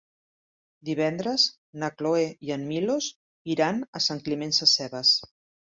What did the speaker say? Divendres na Cloè i en Milos iran a Sant Climent Sescebes.